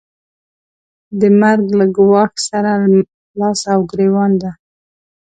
د مرګ له ګواښ سره لاس او ګرېوان ده.